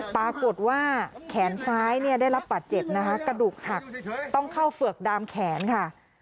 ปรากฏว่าแขนซ้ายเนี่ยได้รับบาดเจ็บนะคะกระดูกหักต้องเข้าเฝือกดามแขนค่ะ